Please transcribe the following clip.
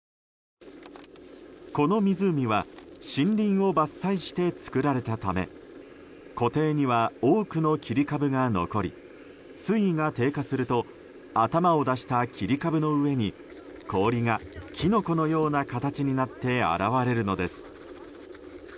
この湖は森林を伐採して作られたため湖底には多くの切り株が残り水位が低下すると頭を出した切り株の上に氷がキノコのような形になって現れるのです。